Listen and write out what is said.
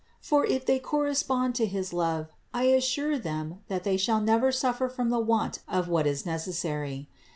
For if they corre spond to his love, I assure them that they shall never suffer from the want of what is necessary.